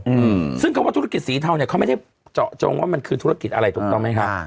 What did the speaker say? อืมซึ่งคำว่าธุรกิจสีเทาเนี้ยเขาไม่ได้เจาะจงว่ามันคือธุรกิจอะไรถูกต้องไหมคะอ่า